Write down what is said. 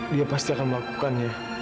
dia pasti akan melakukannya